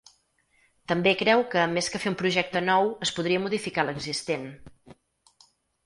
També creu que més que fer un projecte nou es podria modificar l’existent.